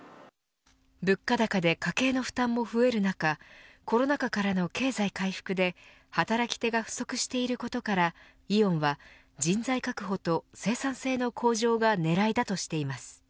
物価高で家計の負担も増える中コロナ禍からの経済回復で働き手が不足していることからイオンは人材確保と生産性の向上が狙いだとしています。